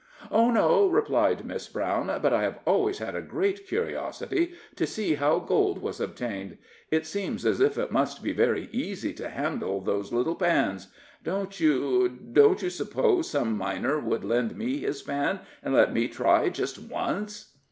"Oh, no," replied Miss Brown, "but I have always had a great curiosity to see how gold was obtained. It seems as if it must be very easy to handle those little pans. Don't you don't you suppose some miner would lend me his pan and let me try just _once?